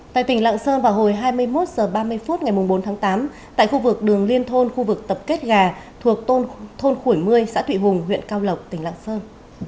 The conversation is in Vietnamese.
tại tỉnh lạng sơn vào hồi hai mươi một h ba mươi phút ngày bốn tháng tám tại khu vực đường liên thôn khu vực tập kết gà thuộc thôn khuổi một mươi xã thụy hùng huyện cao lộc tỉnh lạng sơn